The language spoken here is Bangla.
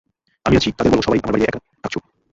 আমি আছি, তাদের বলব সবাই আমার বাড়িতে এক রাত থাকছো।